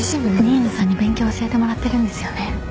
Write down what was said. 新名さんに勉強教えてもらってるんですよね？